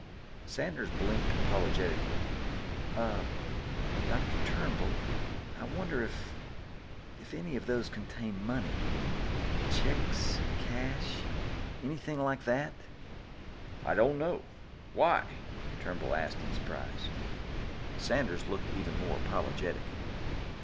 Sanders blinked apologetically. "Uh ... Dr. Turnbull, I wonder if ... if any of those contain money ... checks, cash, anything like that?" "I don't know. Why?" Turnbull asked in surprise. Sanders looked even more apologetic.